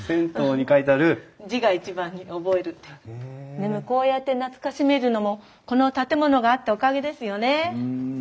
でもこうやって懐かしめるのもこの建物があったおかげですよね。